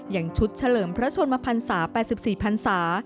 อย่างชุดเฉลิมพระชนมพันศา๘๔พันศา